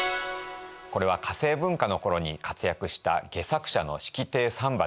これは化政文化の頃に活躍した戯作者の式亭三馬です。